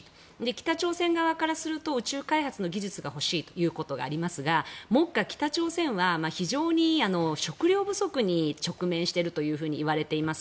北朝鮮側からすると宇宙開発の技術が欲しいということがありますが目下、北朝鮮は非常に食糧不足に直面しているといわれています。